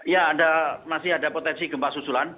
ya masih ada potensi gempa susulan